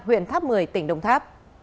huyện tháp một mươi tỉnh đồng tháp